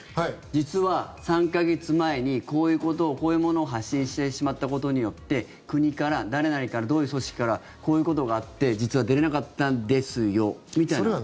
実は、３か月前にこういうことを、こういうものを発信してしまったことによって国から、誰々からどういう組織からこういうことがあって実は出れなかったんですよみたいな。